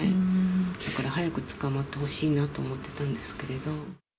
だから早く捕まってほしいなって思ってたんですけど。